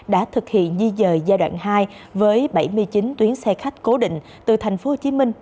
đã thực hiện di dời giai đoạn hai với bảy mươi chín tuyến xe khách cố định từ thành phố hồ chí minh